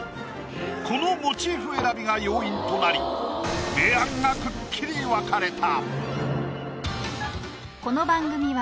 このモチーフ選びが要因となり明暗がくっきり分かれた。